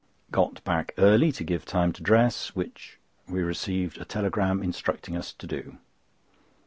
Got back early to give time to dress, which we received a telegram instructing us to do.